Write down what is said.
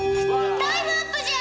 アイムアップじゃ！